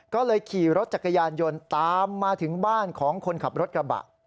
ก็เลยขี่รถจักรยานยนต์ตามมาถึงบ้านของคนขับรถกระบะ